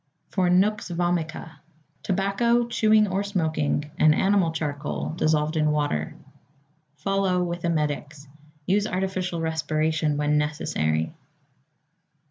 =For Nux Vomica.= Tobacco, chewing or smoking, and animal charcoal, dissolved in water. Follow with emetics. Use artificial respiration when necessary.